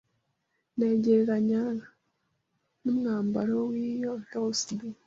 nayigereranya n’umwambaro wiyo virus B